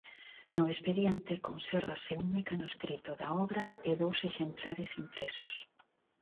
No expediente consérvase un mecanoscrito da obra e dous exemplares impresos.